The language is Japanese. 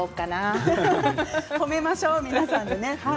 褒めましょう皆さんでね。